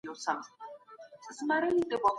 له ظالم پاچا څخه تېښته لازمي ده.